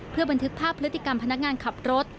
เพื่อบันทึกภาพพฤติกรรมพนักงานขับรถ